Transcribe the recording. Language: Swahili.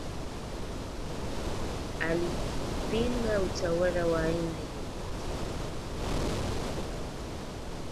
Alipinga utawala wa aina yoyote ile kutoka nje